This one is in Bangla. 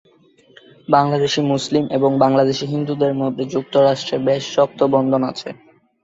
বাংলাদেশী মুসলিম এবং বাংলাদেশী হিন্দুদের মধ্যে যুক্তরাষ্ট্রে বেশ শক্ত বন্ধন আছে।